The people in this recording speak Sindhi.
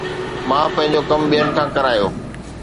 مان پنهنجو ڪم ٻين کان ڪرايو